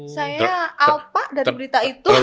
saya apa dari berita itu